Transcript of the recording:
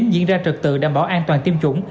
diễn ra trực tự đảm bảo an toàn tiêm chủng